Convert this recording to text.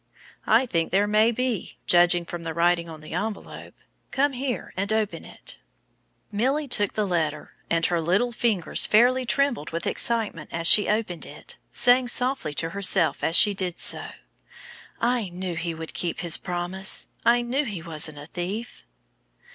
"I think there may be, judging from the writing on the envelope. Come here and open it." Milly took the letter, and her little fingers fairly trembled with excitement as she opened it, saying softly to herself as she did so, "I knew he would keep his promise. I knew he wasn't a thief."